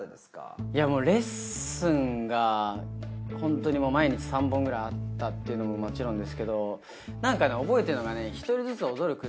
もういやもうレッスンがホントにもう毎日３本くらいあったっていうのももちろんですけどなんかね覚えてるのがね。